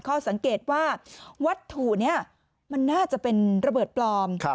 ข้อสังเกตว่าวัตถุนี้มันน่าจะเป็นระเบิดปลอม